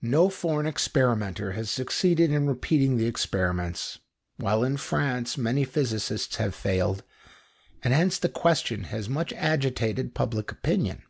No foreign experimenter has succeeded in repeating the experiments, while in France many physicists have failed; and hence the question has much agitated public opinion.